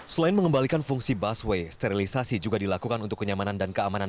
selain mengembalikan fungsi busway sterilisasi juga dilakukan untuk kenyamanan dan keamanan